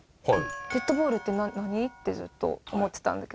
「デッドボールって何？」ってずっと思ってたんだけど。